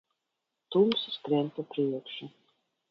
Tumsa skrien pa priekšu.